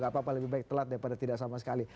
gapapa lebih baik telat daripada tidak sama sekali